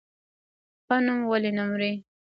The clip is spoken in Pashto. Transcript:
ښه نوم ولې نه مري؟